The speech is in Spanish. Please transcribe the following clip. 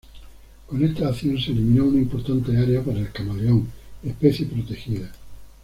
Con esta acción se eliminó una importante área para el camaleón, especie protegida.